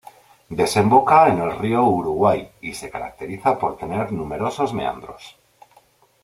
Desemboca en el Río Uruguay y se caracteriza por tener numerosos meandros.